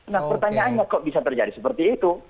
nah pertanyaannya kok bisa terjadi seperti itu